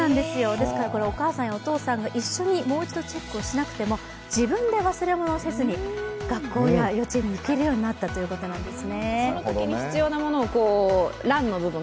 お母さんやお父さんが一緒にもう一度チェックしなくても自分で忘れ物せずに学校や幼稚園に行けるようになったということです。